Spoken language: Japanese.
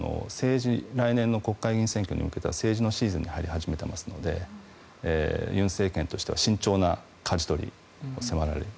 来年の国会議員選挙に向けて政治のシーズンに入り始めていますので尹政権としては慎重なかじ取りを迫られる。